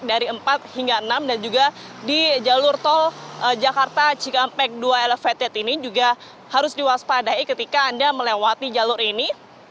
dan juga di jalur tol jakarta cikampek dua elevated ini juga harus diwaspadai ketika anda melewati jalur ini